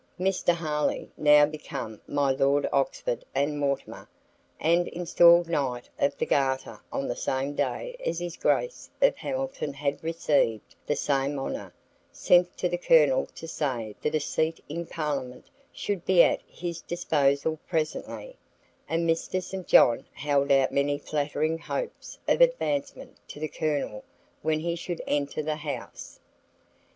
Mr. Harley, now become my Lord Oxford and Mortimer, and installed Knight of the Garter on the same day as his Grace of Hamilton had received the same honor, sent to the Colonel to say that a seat in Parliament should be at his disposal presently, and Mr. St. John held out many flattering hopes of advancement to the Colonel when he should enter the House.